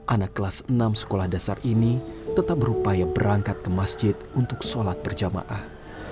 anak kelas enam sekolah dasar ini tetap berupaya berangkat ke masjid untuk sholat berjamaah